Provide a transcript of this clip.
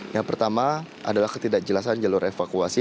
yang pertama adalah ketidakjelasan jalur evakuasi